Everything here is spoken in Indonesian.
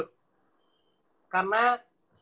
karena secara presentasi po ya